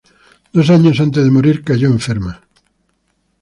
Dos años antes de morir cayó enferma.